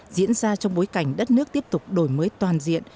diễn ra trong bối cảnh đất nước tiếp tục đổi mới toàn diện